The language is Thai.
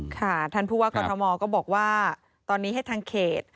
ค่ะท่านผู้ว่ากรทมก็บอกว่าตอนนี้ให้ทางเขต